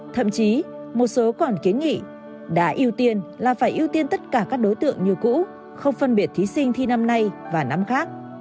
thậm chí một số còn kiến nghị đã ưu tiên là phải ưu tiên tất cả các đối tượng như cũ không phân biệt thí sinh thi năm nay và năm khác